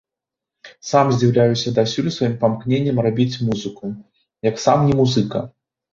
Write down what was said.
Сам здзіўляюся дасюль сваім памкненням рабіць музыку, як сам не музыка.